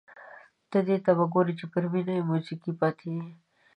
دې ته به ګوري چې پر مېنه یې موزیګی پاتې دی.